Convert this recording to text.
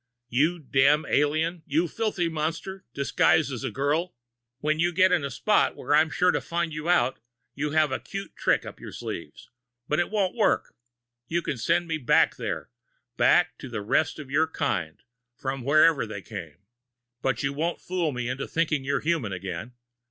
"You damned alien! You filthy monster, disguised as a girl! When you get in a spot where I'm sure to find you out, you have a cute trick up your sleeve but it won't work. You can send me back there back to the rest of your kind, from wherever they came. But you won't fool me into thinking you're human again.